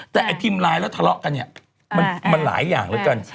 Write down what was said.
แต่ทีมไลน์แล้วทะเลาะกันมันหลายอย่างแล้วกัน